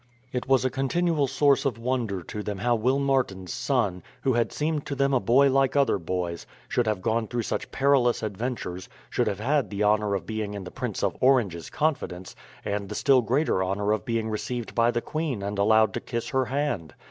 It was a continual source of wonder to them how Will Martin's son, who had seemed to them a boy like other boys, should have gone through such perilous adventures, should have had the honour of being in the Prince of Orange's confidence, and the still greater honour of being received by the queen and allowed to kiss her hand.